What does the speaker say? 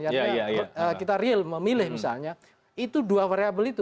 artinya kita real memilih misalnya itu dua variable itu